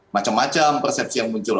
macam macam persepsi yang muncul